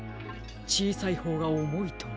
ちいさいほうがおもいとは。